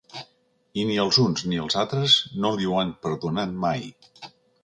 I ni els uns ni els altres no li ho han perdonat mai.